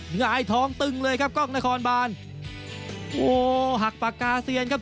หงายท้องตึงเลยครับกล้องนครบานโอ้โหหักปากกาเซียนครับ